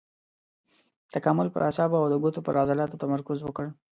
تکامل پر اعصابو او د ګوتو پر عضلاتو تمرکز وکړ.